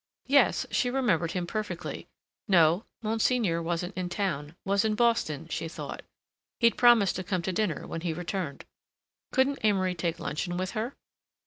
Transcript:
Yes, she remembered him perfectly; no, Monsignor wasn't in town, was in Boston she thought; he'd promised to come to dinner when he returned. Couldn't Amory take luncheon with her?